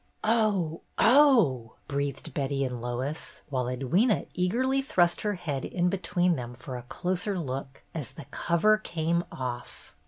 "Oh! oh!" breathed Betty and Lois, while Edwyna eagerly thrust her head in between them for a closer look, as the cover came off.